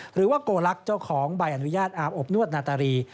หรือว่าโกลักษณ์เจ้าของใบอนุญาตอาบอบนวดนาตารี